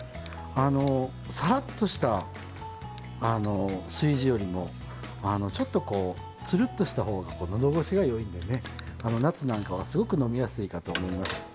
あのサラッとした吸地よりもちょっとこうツルッとした方が喉越しがよいんでね夏なんかはすごく飲みやすいかと思います。